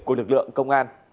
của lực lượng công an